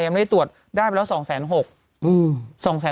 ยังไม่ได้ตรวจได้ไปแล้วสองแสนหกอื้อ